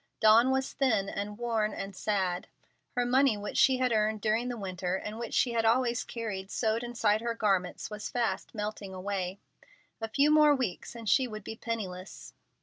Dawn was thin and worn and sad. Her money which she had earned during the winter, and which she had always carried sewed inside her garments, was fast melting away. A few more weeks, and she would be penniless.